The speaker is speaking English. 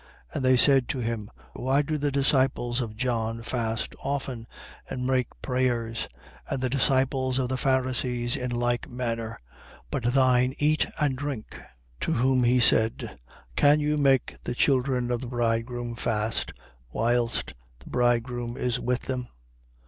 5:33. And they said to him: Why do the disciples of John fast often and make prayers, and the disciples of the Pharisees in like manner; but thine eat and drink? 5:34. To whom he said: Can you make the children of the bridegroom fast whilst the bridegroom is with them?